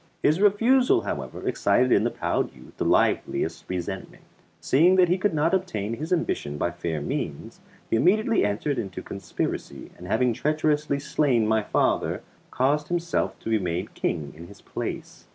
His refusal, however, excited in the proud youth the liveliest resentment; seeing that he could not obtain his ambition by fair means he immediately entered into conspiracy, and having treacherously slain my father, caused himself to be made King in his place.